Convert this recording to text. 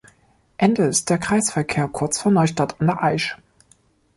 Ende ist der Kreisverkehr kurz vor Neustadt an der Aisch.